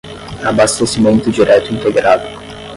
abastecimento direto integrado